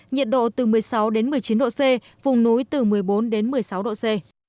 nhiệt độ từ một mươi sáu đến một mươi chín độ c vùng núi từ một mươi bốn đến một mươi sáu độ c